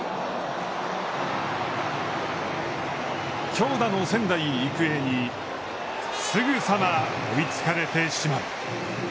強打の仙台育英にすぐさま追いつかれてしまう。